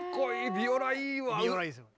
ビオラいいですね。